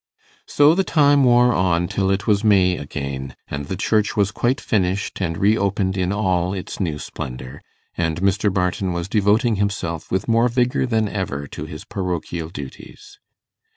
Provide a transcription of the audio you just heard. So the time wore on till it was May again, and the church was quite finished and reopened in all its new splendour, and Mr. Barton was devoting himself with more vigour than ever to his parochial duties.